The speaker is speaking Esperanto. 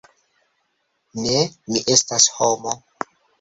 "Ne, mi estas homo."